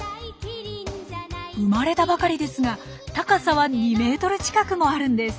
生まれたばかりですが高さは２ｍ近くもあるんです。